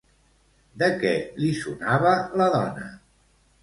De què li sonava la dona?